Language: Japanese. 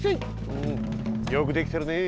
うんよくできてるね。